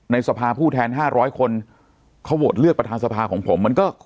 สภาผู้แทน๕๐๐คนเขาโหวตเลือกประธานสภาของผมมันก็